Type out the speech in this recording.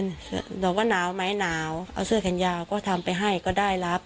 บอกว่าหนาวไหมหนาวเอาเสื้อแขนยาวก็ทำไปให้ก็ได้รับ